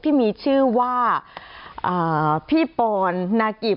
ที่มีชื่อว่าพี่ปอนนากิบ